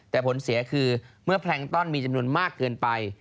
แต่ผลเสียคือเมื่อแพลงต้อนมีจำนวนมากเกินไป